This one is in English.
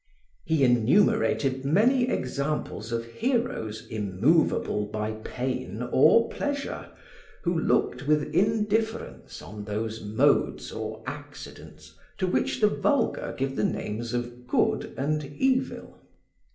He enumerated many examples of heroes immovable by pain or pleasure, who looked with indifference on those modes or accidents to which the vulgar give the names of good and evil.